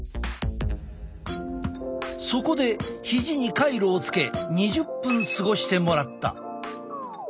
そこでひじにカイロをつけ２０分過ごしてもらった。